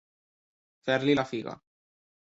Fer-li la figa.